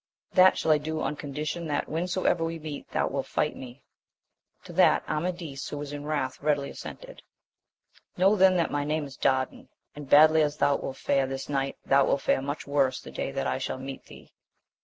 — That shall I do on condition that whensoever we meet thou wilt fight me. To that Amadis, who was in wrath, readily assented. — Know then that my name is Dardan, and badly as thou svilt fare this night, thou wilt fare much worse the day that I shall meet thee